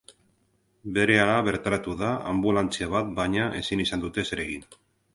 Berehala bertaratu da anbulantzia bat baina ezin izan dute ezer egin.